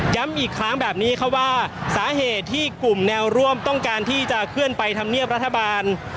ย้ำอีกครั้งแบบนี้ครับว่าสาเหตุที่กลุ่มแนวร่วมต้องการที่จะเคลื่อนไปทำเนียบรัฐบาล